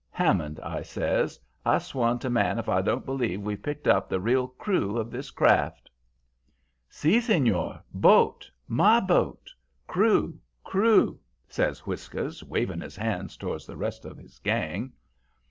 "'Hammond,' I says, 'I swan to man if I don't believe we've picked up the real crew of this craft!' "'Si, senor; boat, my boat! Crew! Crew!' says Whiskers, waving his hands toward the rest of his gang.